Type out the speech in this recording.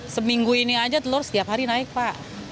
seminggu ini aja telur setiap hari naik pak